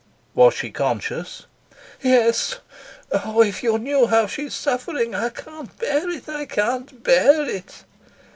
"Was she conscious?" "Yes. Oh, if you knew how she's suffering! I can't bear it. I can't bear it."